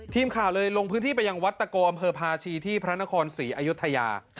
ทีมข่าวเลยลงพื้นที่ไปยังวัดตะโกอำเภอภาชีที่พระนครศรีอายุทยา